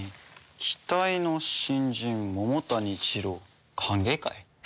「期待の新人桃谷ジロウ歓迎会」？